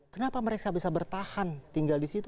kenapa mereka bisa bertahan tinggal di situ